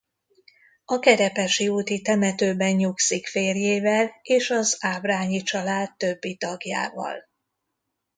A Kerepesi úti temetőben nyugszik férjével és az Ábrányi család többi tagjával.